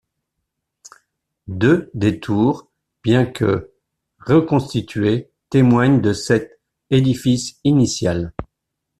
Deux des tours, bien que reconstituées, témoignent de cet édifice initial.